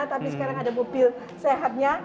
tapi sekarang ada mobil sehatnya